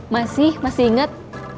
masih masih inget